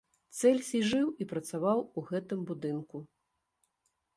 Цэльсій жыў і працаваў у гэтым будынку.